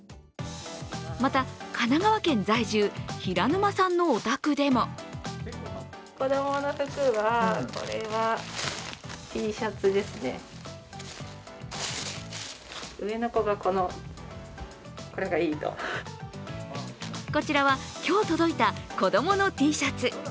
また、神奈川県在住、平沼さんのお宅でもこちらは今日届いた子供のＴシャツ。